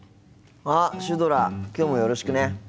あっシュドラきょうもよろしくね。